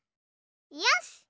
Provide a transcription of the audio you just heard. よし！